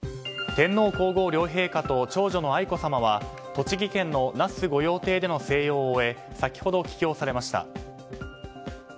天皇・皇后両陛下と長女の愛子さまは栃木県の那須御用邸での静養を終え先ほど帰京されました。